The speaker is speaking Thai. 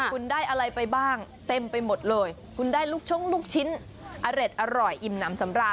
คุณได้อะไรไปบ้างเต็มไปหมดเลยคุณได้ลูกชงลูกชิ้นอร็ดอร่อยอิ่มน้ำสำรา